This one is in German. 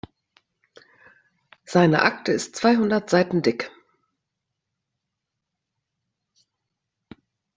Seine Akte ist zweihundert Seiten dick.